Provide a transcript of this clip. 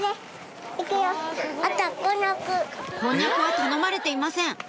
こんにゃくは頼まれていません